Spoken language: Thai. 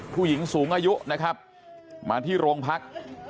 ผู้หญิงสูงอายุนะครับมาที่โรงพัก